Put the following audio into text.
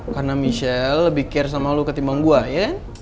karena michelle lebih care sama lo ketimbang gue ya kan